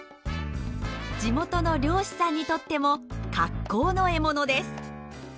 地元の漁師さんにとっても格好の獲物です。